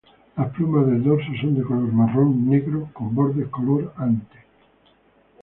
Las plumas del dorso son de color marrón-negro con bordes color ante.